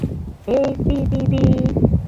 Эй, пи-пи-пи!..